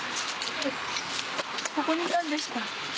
ここにいたんですか？